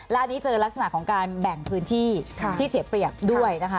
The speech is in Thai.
และอันนี้เจอลักษณะของการแบ่งพื้นที่ที่เสียเปรียบด้วยนะคะ